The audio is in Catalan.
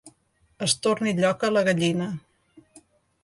Es torni lloca la gallina.